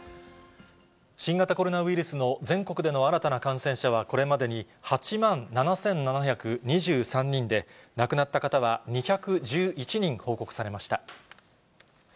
新型コロナウイルスの全国での新たな感染者は、これまでに８万７７２３人で、亡くなった方は２１１人報告されました。